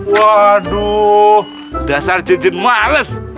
waduh dasar jejen males